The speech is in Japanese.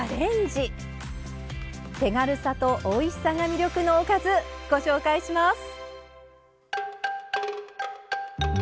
手軽さとおいしさが魅力のおかずご紹介します。